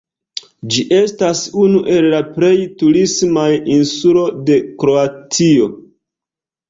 Ĝi estas unu el la plej turismaj insuloj de Kroatio.